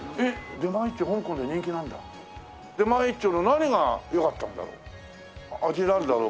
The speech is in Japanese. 出前一丁の何が良かったんだろう。